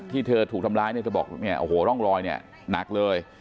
ที่เธอถูกทำร้ายเธอบอกว่าร่องรอยนี่หนักเลย